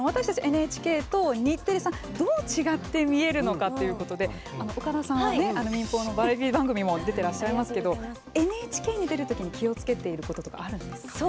ＮＨＫと日テレさんどう違って見えるのかということで岡田さん、民放のバラエティー番組も出ていらっしゃいますけどＮＨＫに出るときに気をつけていることとかあるんですか？